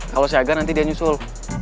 kalau siaga nanti dia nyusul